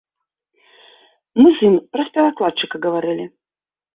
Мы з ім праз перакладчыка гаварылі.